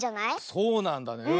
そうなんだね。